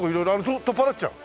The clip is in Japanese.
それ取っ払っちゃう？